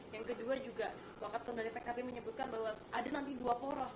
yang kedua juga wakatonda pkb menyebutkan bahwa ada nanti dua poros